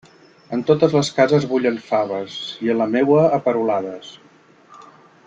En totes les cases bullen faves, i en la meua, a perolades.